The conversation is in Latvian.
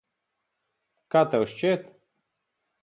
Kā tev šķiet?